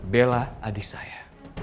bella adik saya